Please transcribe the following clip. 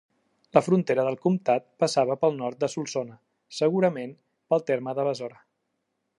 La frontera del comtat passava pel nord de Solsona segurament pel terme de Besora.